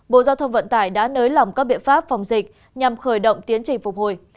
bộ giao thông vận tải đã nới lỏng các biện pháp phòng dịch nhằm khởi động tiến trình phục hồi